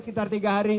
sekitar tiga hari